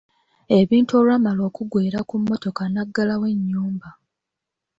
Ebintu olwamala okuggweera ku mmotoka n'agalawo ennyumba.